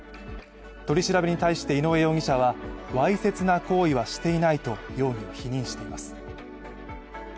取り調べに対して井上容疑者はわいせつな行為はしていないと容疑を否認しています。